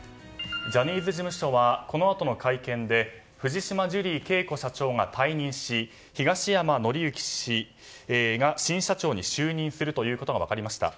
ジャニーズ事務所はこのあとの会見で藤島ジュリー圭子社長が退任し東山紀之氏が新社長に就任するということが分かりました。